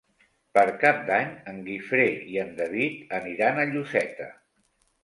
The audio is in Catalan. Per Cap d'Any en Guifré i en David aniran a Lloseta.